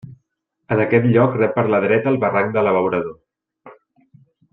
En aquest lloc rep per la dreta el barranc de l'Abeurador.